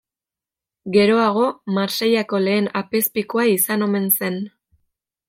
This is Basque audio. Geroago Marseillako lehen apezpikua izan omen zen.